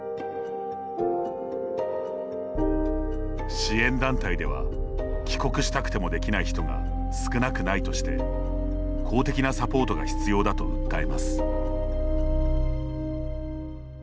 支援団体では、帰国したくてもできない人が少なくないとして公的なサポートが必要だと訴えます。